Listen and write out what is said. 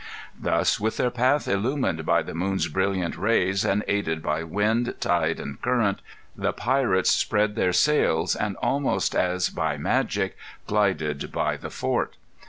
Thus, with their path illumined by the moon's brilliant rays, and aided by wind, tide, and current, the pirates spread their sails, and, almost as by magic, glided by the fort.